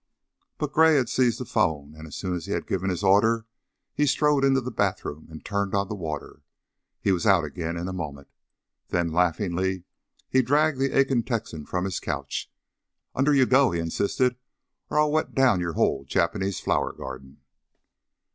But Gray had seized the phone, and as soon as he had given his order he strode into the bathroom and turned on the water. He was out again in a moment, then laughingly he dragged the aching Texan from his couch. "Under you go," he insisted, "or I'll wet down your whole Japanese flower garden."